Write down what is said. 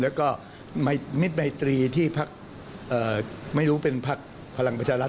แล้วก็มิตรไมตรีที่พักไม่รู้เป็นพักพลังประชารัฐ